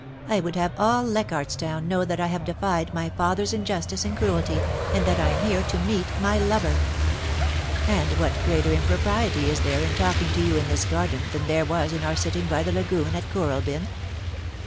* I would have all Leichardt's Town know that I have defied my father's injustice and cruelty, and that I am here to meet my lover. And what greater impropriety is there in talking to you in this garden than there was in our sitting by the lagoon at Kooralbyn